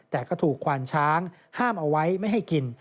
แต่ก็ถูกควานช้างห้ามเอาไว้ไม่ให้กิน